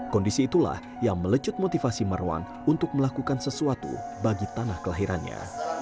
kondisi itulah yang melecut motivasi marwan untuk melakukan sesuatu bagi tanah kelahirannya